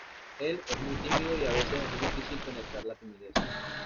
Él es muy tímido y a veces es difícil penetrar la timidez.